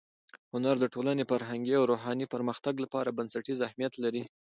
هنر د ټولنې فرهنګي او روحاني پرمختګ لپاره بنسټیز اهمیت لري.